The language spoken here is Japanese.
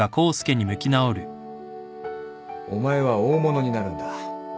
お前は大物になるんだ。